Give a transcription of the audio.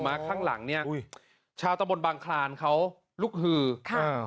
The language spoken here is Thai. ข้างหลังเนี้ยอุ้ยชาวตะบนบางคลานเขาลุกฮือค่ะอ่า